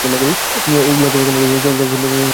এই কেন্দ্রটি তফসিলি জাতিদের জন্য সংরক্ষিত।